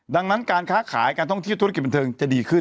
ดังนั้นการค้าขายการท่องเที่ยวธุรกิจบันเทิงจะดีขึ้น